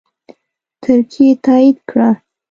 ترکیې تایید کړه